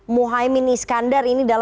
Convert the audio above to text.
muhaymin iskandar ini dalam